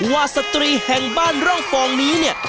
สตรีแห่งบ้านร่องฟองนี้เนี่ย